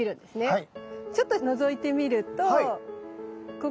はい。